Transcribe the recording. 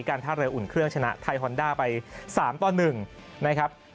ท่าเรืออุ่นเครื่องชนะไทยฮอนด้าไป๓ต่อ๑นะครับ